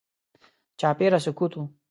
چاپېره سکوت و.